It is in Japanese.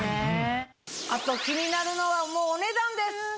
あと気になるのはお値段です！